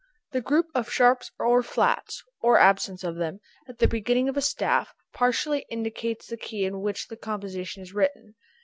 The group of sharps or flats (or absence of them) at the beginning of a staff partially indicates the key in which the composition is written.